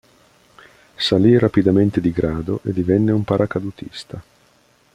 Salì rapidamente di grado e divenne un paracadutista.